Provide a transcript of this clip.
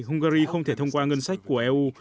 hungary không thể thông qua ngân sách của eu